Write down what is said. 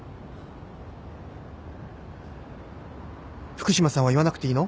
福島さんは言わなくていいの？